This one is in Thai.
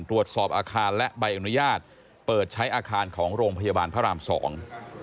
ตรวจสอบอาคารและใบอนุญาตเปิดใช้อาคารของโรงพยาบาลพระรามสอง